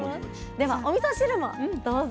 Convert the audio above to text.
ではおみそ汁もどうぞ。